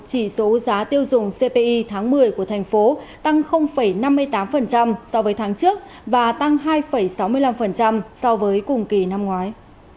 chỉ số giá tiêu dùng cpi tháng một mươi của thành phố tăng năm mươi tám so với tháng trước và tăng hai sáu mươi năm so với cùng kỳ năm ngoái